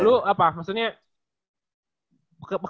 nah ini lu apa maksudnya